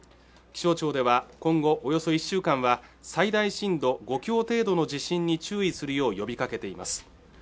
気象庁では今後およそ１週間は最大震度５強程度の地震に注意するよう呼びかけています